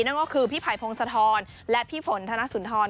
นั่นก็คือพี่ไผ่พงศธรและพี่ฝนธนสุนทร